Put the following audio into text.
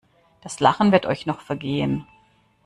Das Lachen wird euch noch vergehen.